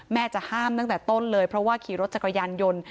จะห้ามตั้งแต่ต้นเลยเพราะว่าขี่รถจักรยานยนต์